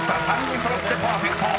３人揃ってパーフェクト］